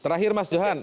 terakhir mas johan